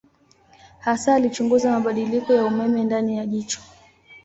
Hasa alichunguza mabadiliko ya umeme ndani ya jicho.